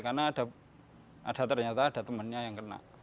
karena ada ternyata ada temannya yang kena